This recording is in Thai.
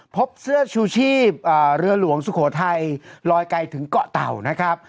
พบเสื้อชูชีพเรือหลวงสุโขทัยลอยไกลถึงเกาะเต่านะครับ